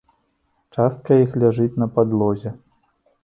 Частка іх ляжыць на падлозе.